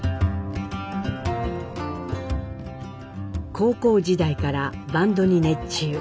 高校時代からバンドに熱中。